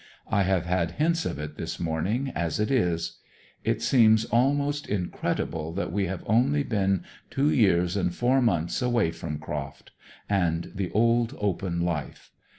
I have had hints of it this morning, as it is. It seems almost incredible that we have only been two years and four months away from Croft, and the old open life.